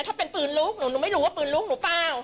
ถ้าเป็นปืนลุกหนูหนูไม่รู้ว่าปืนลุกหนูเปล่า